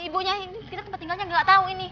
ibunya ini kita tempat tinggalnya nggak tahu ini